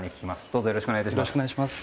どうぞよろしくお願い致します。